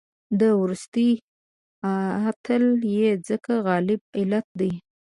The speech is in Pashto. دا وروستی علت یې ځکه غالب علت دی.